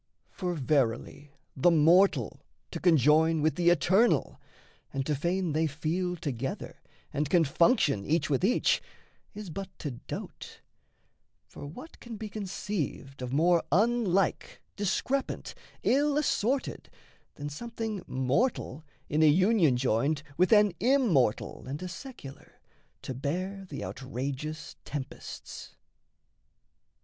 For, verily, the mortal to conjoin With the eternal, and to feign they feel Together, and can function each with each, Is but to dote: for what can be conceived Of more unlike, discrepant, ill assorted, Than something mortal in a union joined With an immortal and a secular To bear the outrageous tempests?